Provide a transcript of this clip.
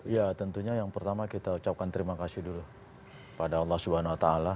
ya tentunya yang pertama kita ucapkan terima kasih dulu pada allah swt